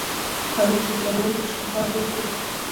اړيکو بهترولو پېشنهاد وکړي.